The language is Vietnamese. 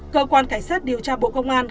cơ quan cảnh sát điều tra bộ công an